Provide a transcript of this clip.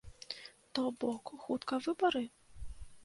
То бок, хутка выбары?